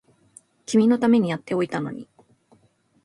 君のためにやっておいたのに